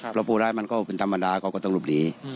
เพราะปูรายมันก็เป็นธรรมดาก็ต้องหลุบหลี